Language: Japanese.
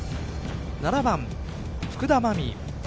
７番福田真未。